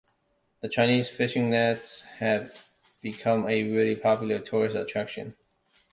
The Chinese fishing nets have become a very popular tourist attraction.